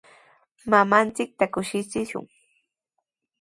Mamanchikta kushichishun.